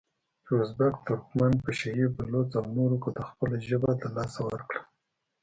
چې ازبک، ترکمن، پشه یي، بلوڅ او نورو که خپله ژبه د لاسه ورکړه،